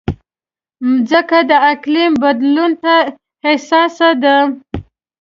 مځکه د اقلیم بدلون ته حساسه ده.